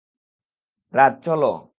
রাজ, চলো।